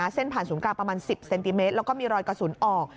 เส้นผ่านศูนย์กลางประมาณ๑๐เซนติเมตรแล้วก็มีรอยกระสุนออก